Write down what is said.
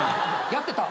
やってた？